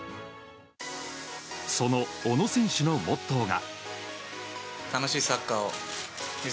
その小野選手のモットーが。